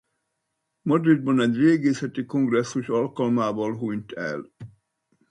Madridban egy régészeti kongresszus alkalmával hunyt el.